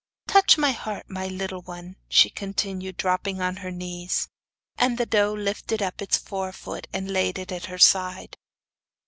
Touch my heart, my little one,' she continued, dropping on her knees. And the doe lifted up its fore foot and laid it on her side.